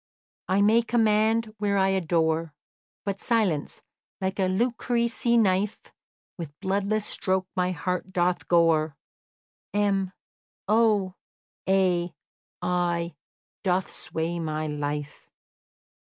"I may command where I adore; But silence, like a Lucrece knife, With bloodless stroke my heart doth gore, M, O, A, I, doth sway my life."